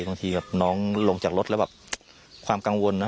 บางทีแบบน้องลงจากรถแล้วแบบความกังวลนะ